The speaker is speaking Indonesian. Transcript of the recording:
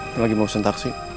gue lagi mau pesan taksi